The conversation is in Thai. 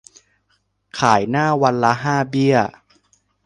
ขายหน้าวันละห้าเบี้ย